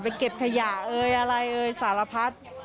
ไปเก็บขยะอะไรสารพัด